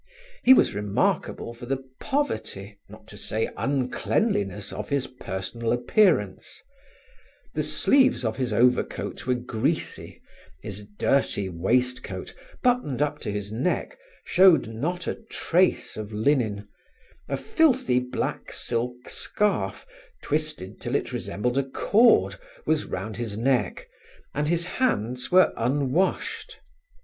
He was remarkable for the poverty, not to say uncleanliness, of his personal appearance: the sleeves of his overcoat were greasy; his dirty waistcoat, buttoned up to his neck, showed not a trace of linen; a filthy black silk scarf, twisted till it resembled a cord, was round his neck, and his hands were unwashed.